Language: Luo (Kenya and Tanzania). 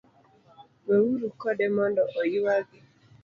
were uru kode mondo oyuagi